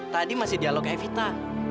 tadi masih dialog evita